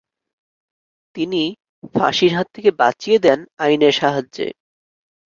তিনি ফাঁসির হাত থেকে বাঁচিয়ে দেন আইনের সাহায্যে।